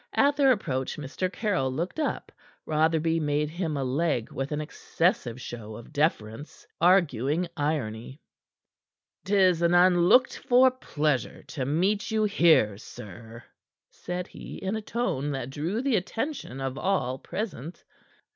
At their approach, Mr. Caryll looked up. Rotherby made him a leg with an excessive show of deference, arguing irony. "'Tis an unlooked for pleasure to meet you here, sir," said he in a tone that drew the attention of all present.